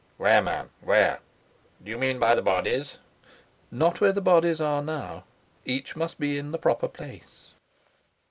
"Where, man, where? Do you mean, by the bodies?" "Not where the bodies are now. Each must be in the proper place."